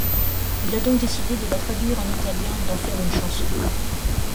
Il a donc décidé de la traduire en italien et d'en faire une chanson.